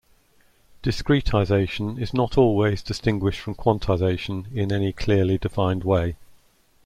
Discretization is not always distinguished from quantization in any clearly defined way.